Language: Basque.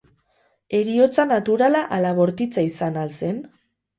Heriotza naturala ala bortitza izan al zen?